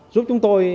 giúp chúng tôi